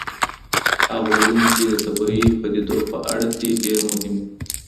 هغه علوم چي د طبیعي پدیدو په اړه دي ډېر مهم دي.